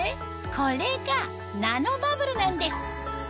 これがナノバブルなんです